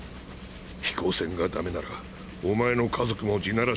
飛行船がダメならお前の家族も「地鳴らし」で死ぬ。